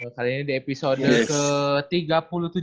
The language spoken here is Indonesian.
kali ini di episode ke tiga puluh tujuh